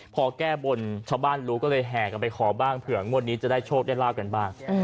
พอแก้บนชาวบ้านรู้ก็เลยแห่กันไปขอบ้างเผื่องวดนี้จะได้โชคได้ลาบกันบ้าง